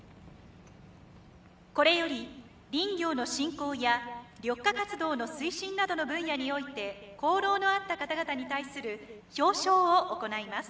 これより林業の振興や緑化活動の推進などの分野において功労のあった方々に対する表彰を行います。